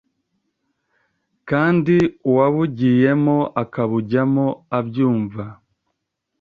kandi uwabugiyemo akabujyamo abyumva